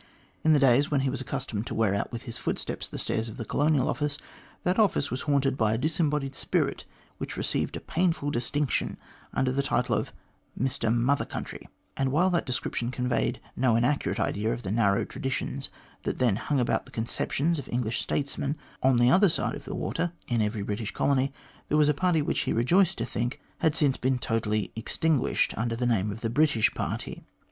In the days when he was accustomed to wear out with his footsteps the stairs of the Colonial Office, that office was haunted by a disembodied spirit which received a painful distinction under the title of "Mr Mother Country"; and while that description con veyed no inaccurate idea of the narrow traditions that then hung about the conceptions of English statesmen, on the other side of the water in every British colony there was a party which, he rejoiced to think, had since been totally extinguished, under the name of the "British Party." He